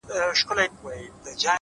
بل څوک خو بې خوښ سوی نه وي ـ